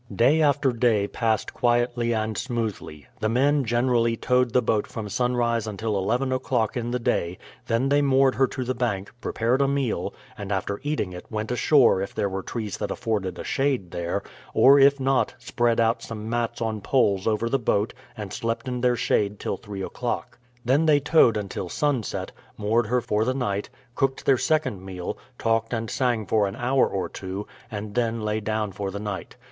Day after day passed quietly and smoothly. The men generally towed the boat from sunrise until eleven o'clock in the day; then they moored her to the bank, prepared a meal, and after eating it went ashore if there were trees that afforded a shade there, or if not, spread out some mats on poles over the boat and slept in their shade till three o'clock. Then they towed until sunset, moored her for the night, cooked their second meal, talked and sang for an hour or two, and then lay down for the night.